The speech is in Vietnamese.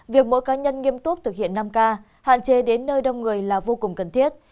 việc mỗi cá nhân nghiêm túc thực hiện năm k hạn chế đến nơi đông người là vô cùng cần thiết